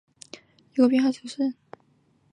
鲁比永河畔圣热尔韦人口变化图示